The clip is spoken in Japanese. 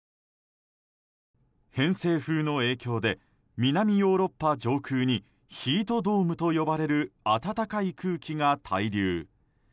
偏西風の影響で南ヨーロッパ上空にヒートドームと呼ばれる暖かい空気が滞留。